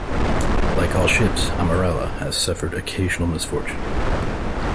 Like all ships, "Amorella" has suffered occasional misfortune.